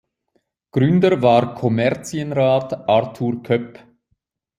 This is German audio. Gründer war Kommerzienrat Arthur Köpp.